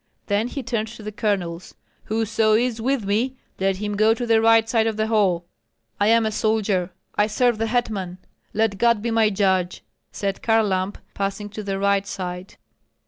Then he turned to the colonels: "Whoso is with me, let him go to the right side of the hall!" "I am a soldier, I serve the hetman; let God be my judge!" said Kharlamp, passing to the right side.